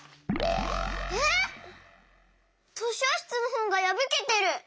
えっ！？としょしつのほんがやぶけてる！